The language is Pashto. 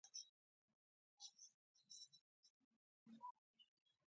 د آسمان سیند ناروغ دی